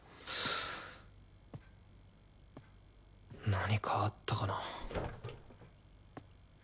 何かあったかな。